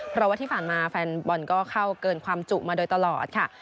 เพราะว่าที่ผ่านมาแฟนบอลก็เข้าเกินความจุมาโดยตลอดค่ะ